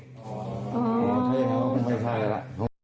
อ๋อใช่ครับไม่ใช่แล้วล่ะ